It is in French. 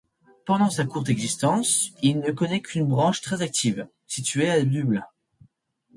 Pendant sa courte existence il ne connait qu’une branche très active, située à Dublin.